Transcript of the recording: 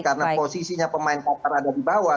karena posisinya pemain qatar ada di bawah